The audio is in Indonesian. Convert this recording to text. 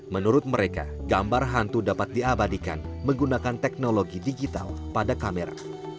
menurut mereka gambar hantu dapat diabadikan menggunakan teknologi digital pada kamera